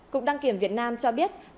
cục đăng kiểm việt nam cho biết